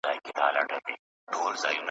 ولاړمه، په خوب کي دُردانې راپسي مه ګوره`